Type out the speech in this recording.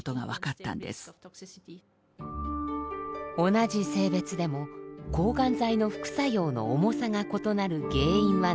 同じ性別でも抗がん剤の副作用の重さが異なる原因は何なのか？